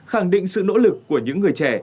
khẳng định sự nỗ lực của những người trẻ